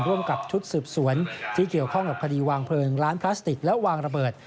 ร่วมกับชุดสืบสวนที่เกี่ยวข้องกับคดีวางเพลิงร้านพลาสติกและวางระเบิด